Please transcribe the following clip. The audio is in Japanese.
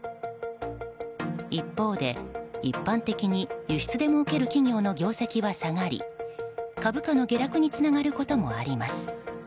一方で、一般的に輸出でもうける企業の業績は下がり株価の下落につながることもあります。